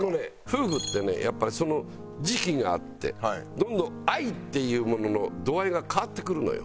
夫婦ってねやっぱりその時期があってどんどん愛っていうものの度合いが変わってくるのよ。